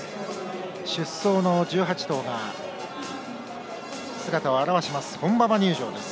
出走の１８頭が姿を現します。